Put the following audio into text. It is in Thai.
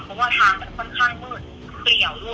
เพราะว่าทางมันค่อนข้างมืดเปลี่ยวด้วย